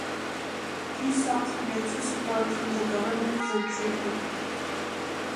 He sought financial support from the government for treatment.